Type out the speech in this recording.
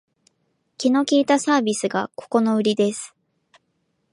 気の利いたサービスがここのウリです